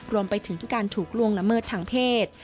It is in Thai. รวมไปถึงการถูกล่วงละเมิดทางเพศ